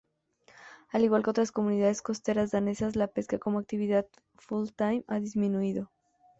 Al igual que otras comunidades costeras danesas, la pesca como actividad full-time ha disminuido.